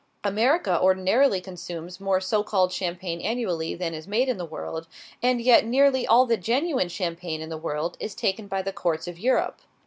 America ordinarily consumes more so called champagne annually than is made in the world, and yet nearly all the genuine champagne in the world is taken by the courts of Europe.